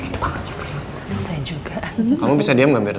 enggak bisa juga kamu bisa diam enggak mirna